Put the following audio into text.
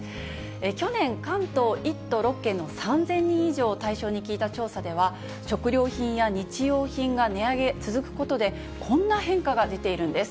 去年、関東１都６県の３０００人以上を対象に聞いた調査では、食料品や日用品が値上げ続くことで、こんな変化が出ているんです。